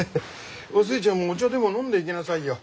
お寿恵ちゃんもお茶でも飲んでいきなさいよ。